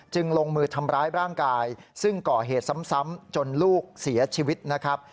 ลงมือทำร้ายร่างกายซึ่งก่อเหตุซ้ำจนลูกเสียชีวิตนะครับ